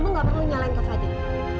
kamu gak perlu nyalain kak fadil